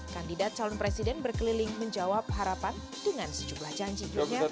kandidat calon presiden berkeliling menjawab harapan dengan sejumlah janji dunia